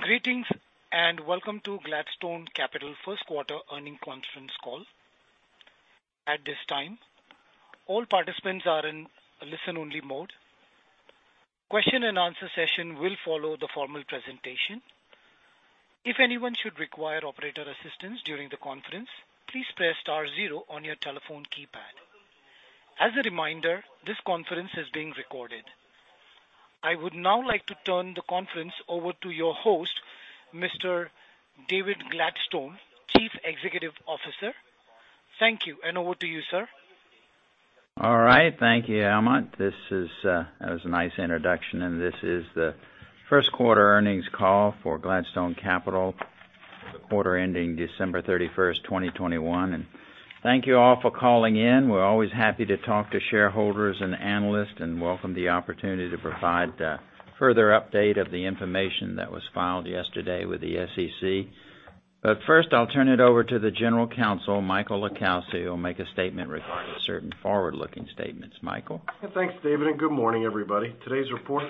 Greetings, and welcome to Gladstone Capital Q1 Earnings Conference Call. At this time, all participants are in listen-only mode. Question and answer session will follow the formal presentation. If anyone should require operator assistance during the conference, please press star zero on your telephone keypad. As a reminder, this conference is being recorded. I would now like to turn the conference over to your host, Mr. David Gladstone, Chief Executive Officer. Thank you, and over to you, sir. All right. Thank you, Ahmad. That was a nice introduction, and this is the Q1 earnings call for Gladstone Capital for the quarter ending December 31, 2021. Thank you all for calling in. We're always happy to talk to shareholders and analysts and welcome the opportunity to provide further update of the information that was filed yesterday with the SEC. First, I'll turn it over to the General Counsel, Michael LiCalsi, who will make a statement regarding certain forward-looking statements. Michael. Thanks, David, and good morning, everybody. Today's report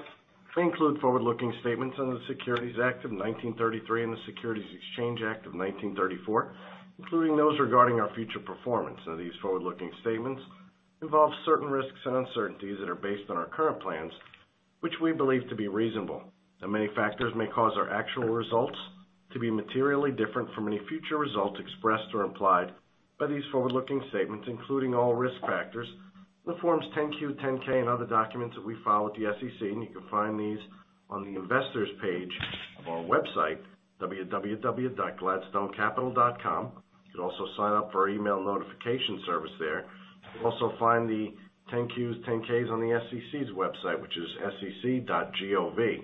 may include forward-looking statements under the Securities Act of 1933 and the Securities Exchange Act of 1934, including those regarding our future performance. These forward-looking statements involve certain risks and uncertainties that are based on our current plans, which we believe to be reasonable. Many factors may cause our actual results to be materially different from any future results expressed or implied by these forward-looking statements, including all risk factors in the Forms 10-Q, 10-K, and other documents that we file with the SEC, and you can find these on the investors page of our website, www.gladstonecapital.com. You can also sign up for our email notification service there. You'll also find the 10-Qs, 10-Ks on the SEC's website, which is sec.gov.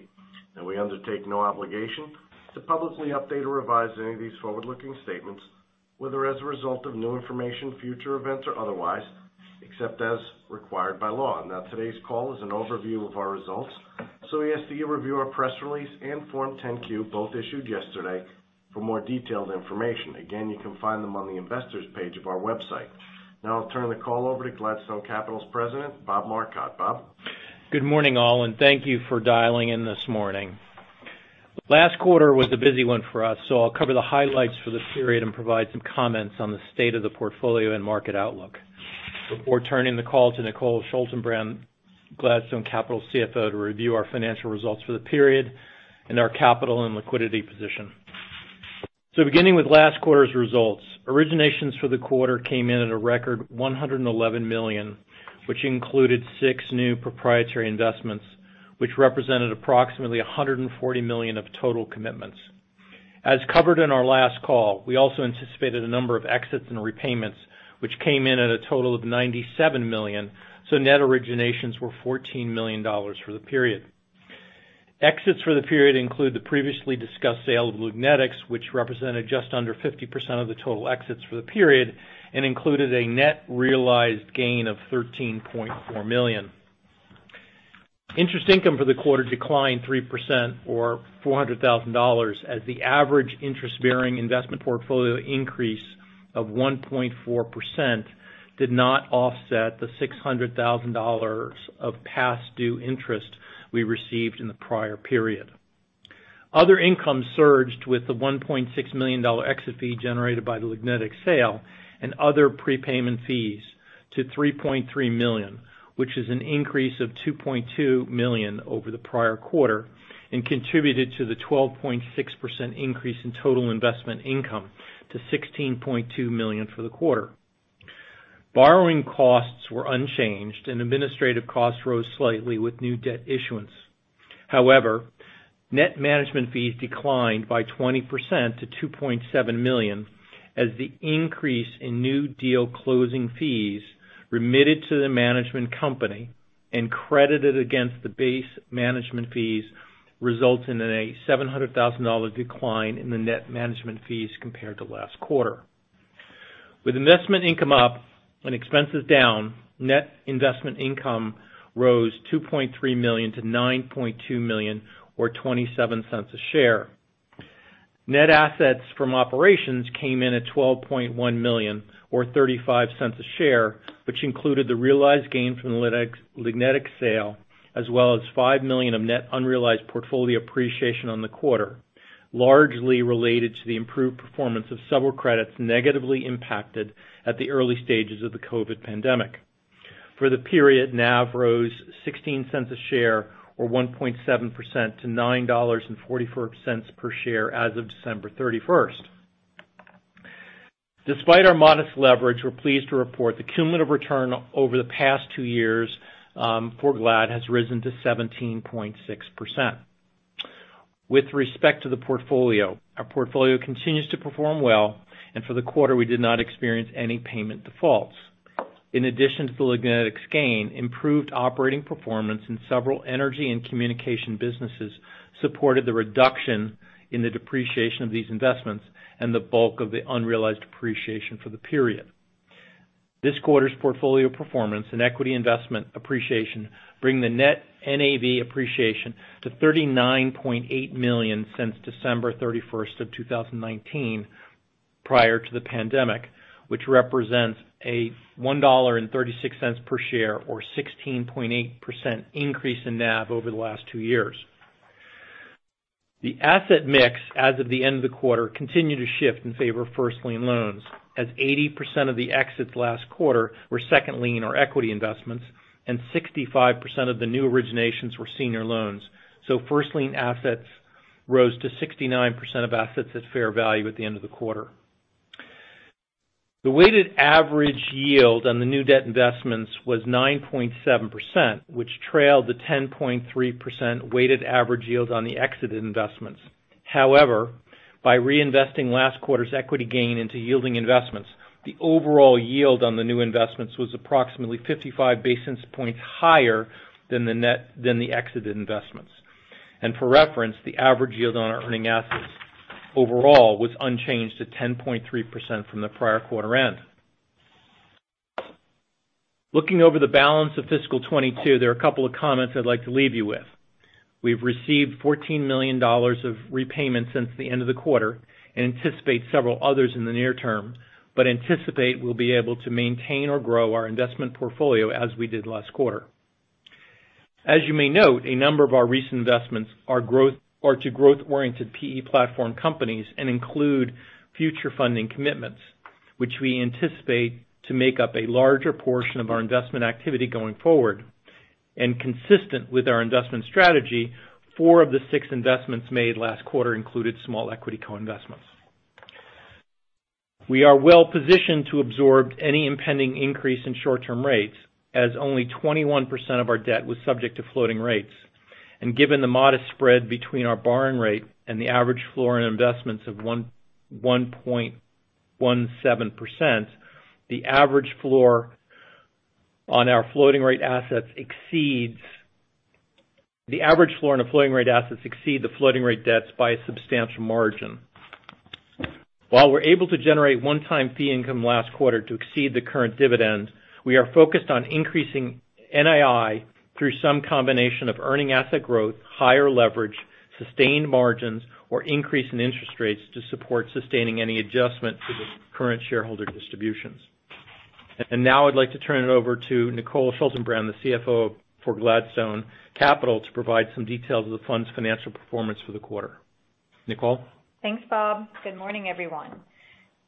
Now, we undertake no obligation to publicly update or revise any of these forward-looking statements, whether as a result of new information, future events, or otherwise, except as required by law. Now, today's call is an overview of our results, so we ask that you review our press release and Form 10-Q, both issued yesterday, for more detailed information. Again, you can find them on the investors page of our website. Now I'll turn the call over to Gladstone Capital's President, Bob Marcotte. Bob. Good morning, all, and thank you for dialing in this morning. Last quarter was a busy one for us, so I'll cover the highlights for the period and provide some comments on the state of the portfolio and market outlook before turning the call to Nicole Schaltenbrand, Gladstone Capital CFO, to review our financial results for the period and our capital and liquidity position. Beginning with last quarter's results, originations for the quarter came in at a record $111 million, which included six new proprietary investments, which represented approximately $140 million of total commitments. As covered in our last call, we also anticipated a number of exits and repayments, which came in at a total of $97 million, so net originations were $14 million for the period. Exits for the period include the previously discussed sale of Lignetics, which represented just under 50% of the total exits for the period and included a net realized gain of $13.4 million. Interest income for the quarter declined 3% or $400,000 as the average interest-bearing investment portfolio increase of 1.4% did not offset the $600,000 of past due interest we received in the prior period. Other income surged with the $1.6 million exit fee generated by the Lignetics sale and other prepayment fees to $3.3 million, which is an increase of $2.2 million over the prior quarter and contributed to the 12.6% increase in total investment income to $16.2 million for the quarter. Borrowing costs were unchanged and administrative costs rose slightly with new debt issuance. However, net management fees declined by 20% to $2.7 million as the increase in new deal closing fees remitted to the management company and credited against the base management fees, resulting in a $700,000 decline in the net management fees compared to last quarter. With investment income up and expenses down, net investment income rose $2.3 million to $9.2 million or $0.27 a share. Net assets from operations came in at $12.1 million or $0.35 a share, which included the realized gain from the Lignetics sale as well as $5 million of net unrealized portfolio appreciation on the quarter, largely related to the improved performance of several credits negatively impacted at the early stages of the COVID pandemic. For the period, NAV rose $0.16 a share or 1.7% to $9.44 per share as of December 31st. Despite our modest leverage, we're pleased to report the cumulative return over the past two years for GLAD has risen to 17.6%. With respect to the portfolio, our portfolio continues to perform well, and for the quarter, we did not experience any payment defaults. In addition to the Lignetics gain, improved operating performance in several energy and communication businesses supported the reduction in the depreciation of these investments and the bulk of the unrealized appreciation for the period. This quarter's portfolio performance and equity investment appreciation bring the net NAV appreciation to $39.8 million since December 31, 2019. Prior to the pandemic, which represents a $1.36 per share or 16.8% increase in NAV over the last two years. The asset mix as of the end of the quarter continued to shift in favor of first lien loans as 80% of the exits last quarter were second lien or equity investments and 65% of the new originations were senior loans. First lien assets rose to 69% of assets at fair value at the end of the quarter. The weighted average yield on the new debt investments was 9.7%, which trailed the 10.3% weighted average yield on the exited investments. However, by reinvesting last quarter's equity gain into yielding investments, the overall yield on the new investments was approximately 55 basis points higher than the exited investments. For reference, the average yield on our earning assets overall was unchanged at 10.3% from the prior quarter end. Looking over the balance of fiscal 2022, there are a couple of comments I'd like to leave you with. We've received $14 million of repayments since the end of the quarter and anticipate several others in the near term, but anticipate we'll be able to maintain or grow our investment portfolio as we did last quarter. As you may note, a number of our recent investments are to growth-oriented PE platform companies and include future funding commitments, which we anticipate to make up a larger portion of our investment activity going forward. Consistent with our investment strategy, four of the six investments made last quarter included small equity co-investments. We are well positioned to absorb any impending increase in short-term rates, as only 21% of our debt was subject to floating rates. Given the modest spread between our borrowing rate and the average floor in investments of 1.17%, the average floor on our floating rate assets exceeds the floating rate debts by a substantial margin. While we're able to generate one-time fee income last quarter to exceed the current dividends, we are focused on increasing NII through some combination of earning asset growth, higher leverage, sustained margins, or increase in interest rates to support sustaining any adjustment to the current shareholder distributions. Now I'd like to turn it over to Nicole Schaltenbrand, the CFO for Gladstone Capital, to provide some details of the fund's financial performance for the quarter. Nicole? Thanks, Bob. Good morning, everyone.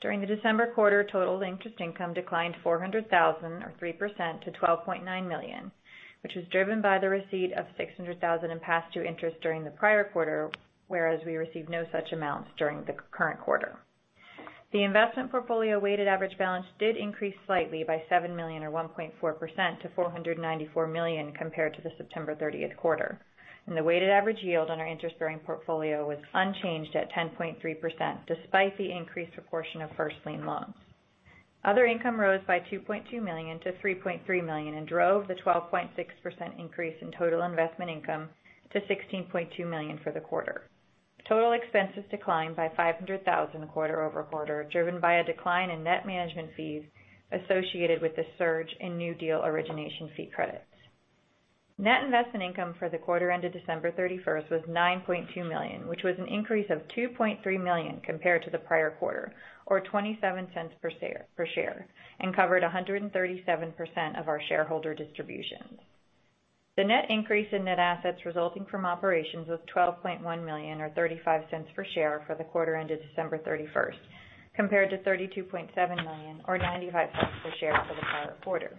During the December quarter, total interest income declined $400,000 or 3% to $12.9 million, which was driven by the receipt of $600,000 in past due interest during the prior quarter, whereas we received no such amounts during the current quarter. The investment portfolio weighted average balance did increase slightly by $7 million or 1.4% to $494 million compared to the September 30 quarter. The weighted average yield on our interest-bearing portfolio was unchanged at 10.3%, despite the increased proportion of first lien loans. Other income rose by $2.2 million to $3.3 million and drove the 12.6% increase in total investment income to $16.2 million for the quarter. Total expenses declined by $500,000 quarter-over-quarter, driven by a decline in net management fees associated with the surge in new deal origination fee credits. Net investment income for the quarter ended December 31st was $9.2 million, which was an increase of $2.3 million compared to the prior quarter or $0.27 per share, and covered 137% of our shareholder distributions. The net increase in net assets resulting from operations was $12.1 million or $0.35 per share for the quarter ended December 31st, compared to $32.7 million or $0.95 per share for the prior quarter.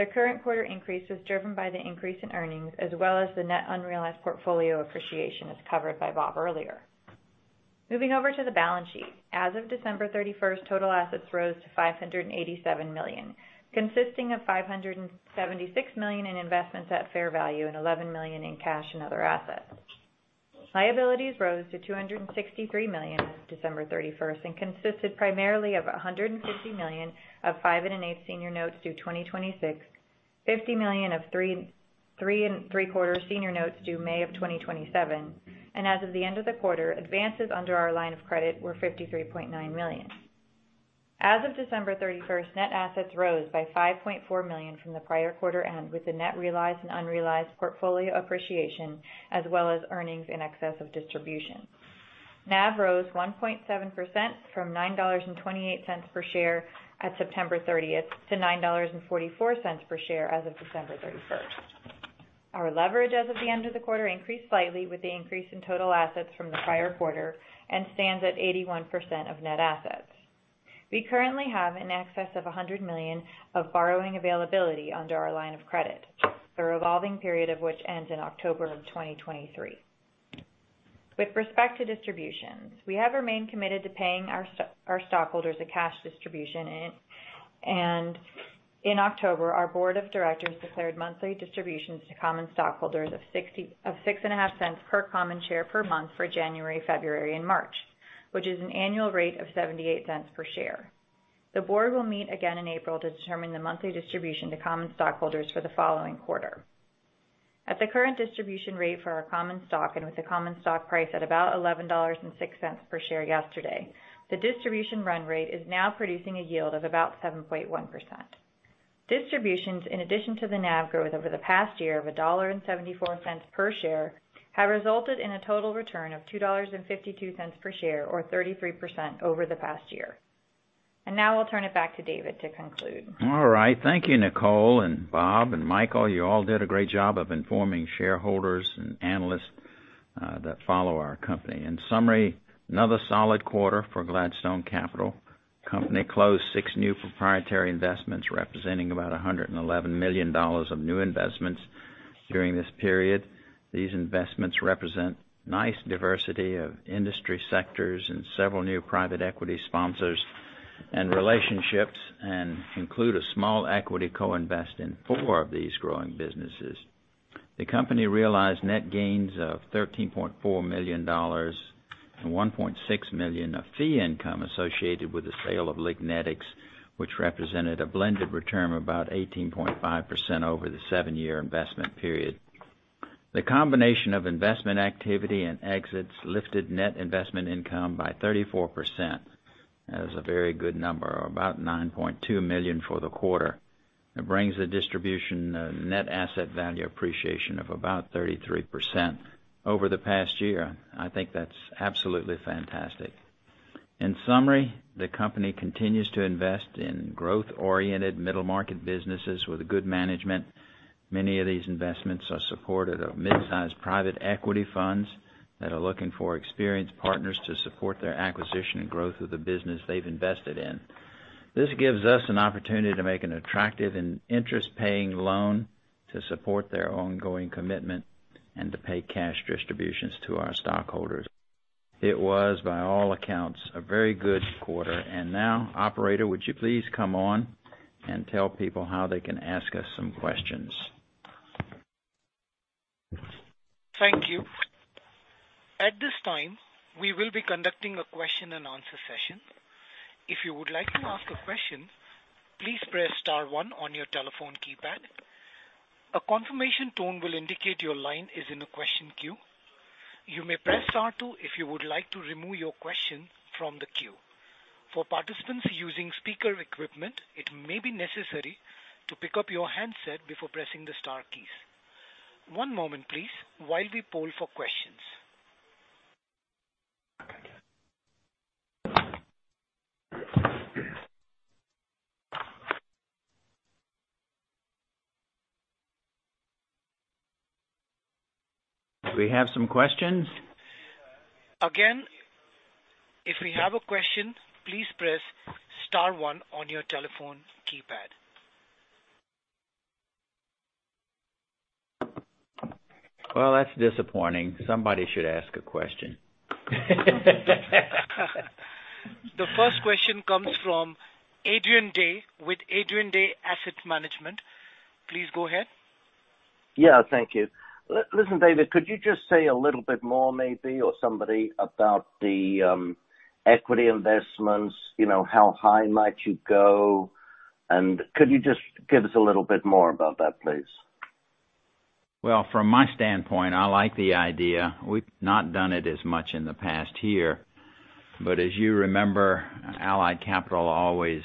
The current quarter increase was driven by the increase in earnings as well as the net unrealized portfolio appreciation as covered by Bob earlier. Moving over to the balance sheet. As of December 31st, total assets rose to $587 million, consisting of $576 million in investments at fair value and $11 million in cash and other assets. Liabilities rose to $263 million as of December 31st and consisted primarily of $150 million of 5.125% Senior Notes due 2026, $50 million of 3.75% senior notes due May 2027, and as of the end of the quarter, advances under our line of credit were $53.9 million. As of December 31st, net assets rose by $5.4 million from the prior quarter end with the net realized and unrealized portfolio appreciation as well as earnings in excess of distribution. NAV rose 1.7% from $9.28 per share at September 30 to $9.44 per share as of December 31. Our leverage as of the end of the quarter increased slightly with the increase in total assets from the prior quarter and stands at 81% of net assets. We currently have in excess of $100 million of borrowing availability under our line of credit, the revolving period of which ends in October 2023. With respect to distributions, we have remained committed to paying our stockholders a cash distribution. In October, our board of directors declared monthly distributions to common stockholders of $0.6.5 per common share per month for January, February, and March, which is an annual rate of $0.78 per share. The board will meet again in April to determine the monthly distribution to common stockholders for the following quarter. At the current distribution rate for our common stock and with the common stock price at about $11.06 per share yesterday, the distribution run rate is now producing a yield of about 7.1%. Distributions in addition to the NAV growth over the past year of $1.74 per share have resulted in a total return of $2.52 per share, or 33% over the past year. Now I'll turn it back to David to conclude. All right. Thank you, Nicole, Bob, and Michael. You all did a great job of informing shareholders and analysts that follow our company. In summary, another solid quarter for Gladstone Capital. The company closed six new proprietary investments, representing about $111 million of new investments during this period. These investments represent nice diversity of industry sectors and several new private equity sponsors and relationships, and include a small equity co-invest in four of these growing businesses. The company realized net gains of $13.4 million and $1.6 million of fee income associated with the sale of Lignetics, which represented a blended return of about 18.5% over the seven-year investment period. The combination of investment activity and exits lifted net investment income by 34%. That was a very good number of about $9.2 million for the quarter. It brings the distribution net asset value appreciation of about 33% over the past year. I think that's absolutely fantastic. In summary, the company continues to invest in growth-oriented middle market businesses with good management. Many of these investments are supported by mid-sized private equity funds that are looking for experienced partners to support their acquisition and growth of the business they've invested in. This gives us an opportunity to make an attractive and interest-paying loan to support their ongoing commitment and to pay cash distributions to our stockholders. It was, by all accounts, a very good quarter. Now, operator, would you please come on and tell people how they can ask us some questions? Thank you. At this time, we will be conducting a question-and-answer session. If you would like to ask a question, please press star one on your telephone keypad. A confirmation tone will indicate your line is in the question queue. You may press star two if you would like to remove your question from the queue. For participants using speaker equipment, it may be necessary to pick up your handset before pressing the star keys. One moment, please while we poll for questions. Do we have some questions? Again, if we have a question, please press star one on your telephone keypad. Well, that's disappointing. Somebody should ask a question. The first question comes from Adrian Day with Adrian Day Asset Management. Please go ahead. Yeah, thank you. Listen, David, could you just say a little bit more maybe, or somebody, about the equity investments, you know, how high might you go? Could you just give us a little bit more about that, please? Well, from my standpoint, I like the idea. We've not done it as much in the past year, but as you remember, Allied Capital always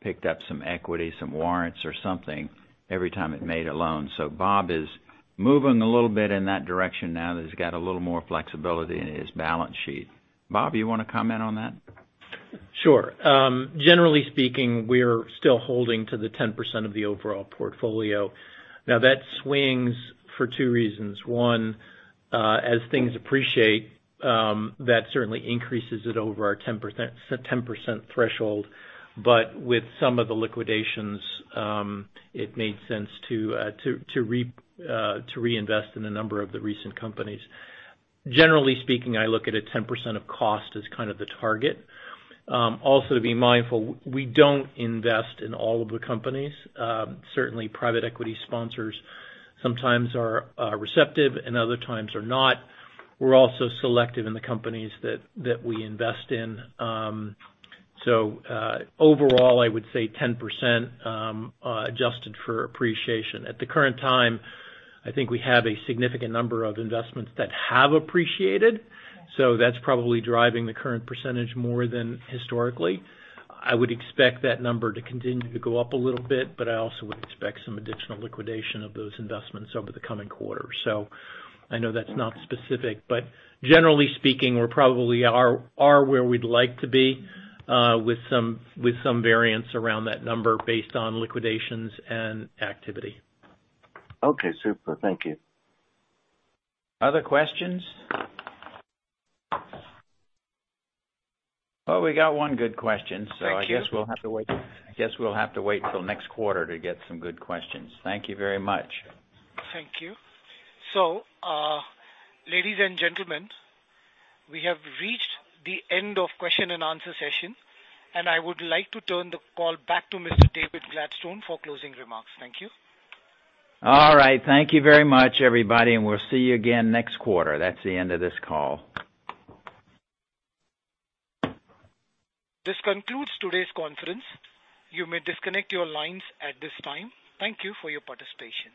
picked up some equity, some warrants or something every time it made a loan. Bob is moving a little bit in that direction now that he's got a little more flexibility in his balance sheet. Bob, you wanna comment on that? Sure. Generally speaking, we're still holding to the 10% of the overall portfolio. Now, that swings for two reasons. One, as things appreciate, that certainly increases it over our 10% threshold. With some of the liquidations, it made sense to reinvest in a number of the recent companies. Generally speaking, I look at a 10% of cost as kind of the target. Also, to be mindful, we don't invest in all of the companies. Certainly private equity sponsors sometimes are receptive and other times are not. We're also selective in the companies that we invest in. Overall, I would say 10%, adjusted for appreciation. At the current time, I think we have a significant number of investments that have appreciated, so that's probably driving the current percentage more than historically. I would expect that number to continue to go up a little bit, but I also would expect some additional liquidation of those investments over the coming quarters. I know that's not specific, but generally speaking, we're probably where we'd like to be, with some variance around that number based on liquidations and activity. Okay, super. Thank you. Other questions? Well, we got one good question. Thank you. I guess we'll have to wait. I guess we'll have to wait till next quarter to get some good questions. Thank you very much. Thank you. Ladies and gentlemen, we have reached the end of question-and-answer session, and I would like to turn the call back to Mr. David Gladstone for closing remarks. Thank you. All right. Thank you very much, everybody, and we'll see you again next quarter. That's the end of this call. This concludes today's conference. You may disconnect your lines at this time. Thank you for your participation.